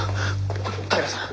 平さん